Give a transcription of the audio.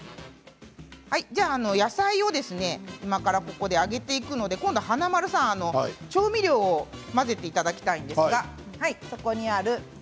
野菜を今から揚げていくので今度は華丸さん、調味料を混ぜていただきたいんですが。